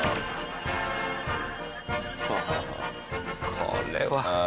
これは。